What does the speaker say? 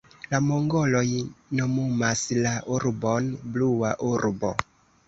La mongoloj nomumas la urbon Blua urbo.